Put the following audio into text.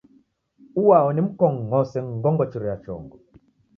Uao nimkong'ose ngongochiro ya chongo?